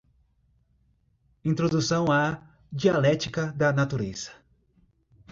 Introdução à "Dialéctica da Natureza"